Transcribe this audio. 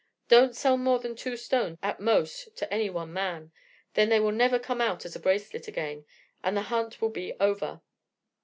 Don't sell more than two stones at most to any one man; then they will never come out as a bracelet again, and the hunt will be over."